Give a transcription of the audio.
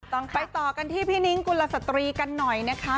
ไปต่อกันที่พี่นิ้งกุลสตรีกันหน่อยนะคะ